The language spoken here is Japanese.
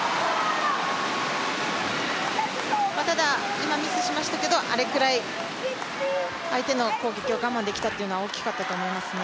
今、ミスしましたけどあれくらい相手の攻撃を我慢できたっていうのは大きかったと思いますね。